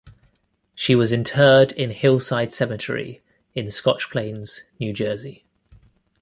She was interred in Hillside Cemetery in Scotch Plains, New Jersey.